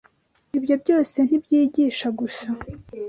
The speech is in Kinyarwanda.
ibyo byose ntibyigisha gusa